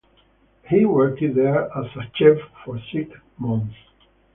He worked there as a chef for six months.